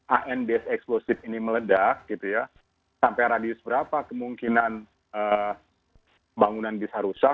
anbs eksplosif ini meledak sampai radius berapa kemungkinan bangunan bisa rusak